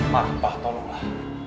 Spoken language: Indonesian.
maaf pak tolonglah